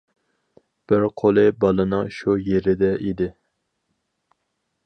بىر قولى بالىنىڭ شۇ يېرىدە ئىدى.